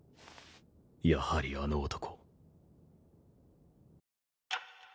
やはりあの男。